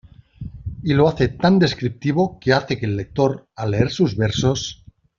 Y lo hace tan descriptivo, que hace que el lector, al leer sus versos.